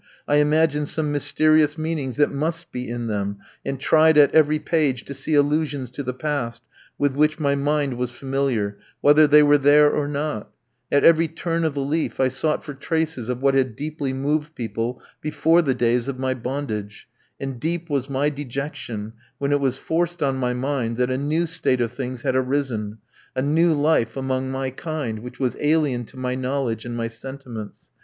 I imagined some mysterious meanings that must be in them, and tried at every page to see allusions to the past, with which my mind was familiar, whether they were there or not; at every turn of the leaf I sought for traces of what had deeply moved people before the days of my bondage; and deep was my dejection when it was forced on my mind that a new state of things had arisen; a new life, among my kind, which was alien to my knowledge and my sentiments.